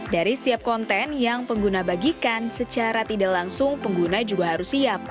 dari setiap konten yang pengguna bagikan secara tidak langsung pengguna juga harus siap